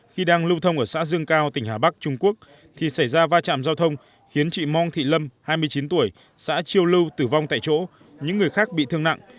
khi đang lưu thông ở xã dương cao tỉnh hà bắc trung quốc thì xảy ra va chạm giao thông khiến chị mong thị lâm hai mươi chín tuổi xã chiêu lưu tử vong tại chỗ những người khác bị thương nặng